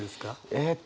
えっと